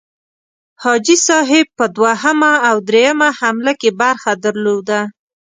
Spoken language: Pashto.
حاجي صاحب په دوهمه او دریمه حمله کې برخه درلوده.